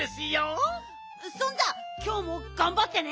そんじゃきょうもがんばってね。